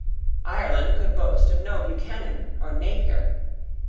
Ireland could boast of no Buchanan or Napier.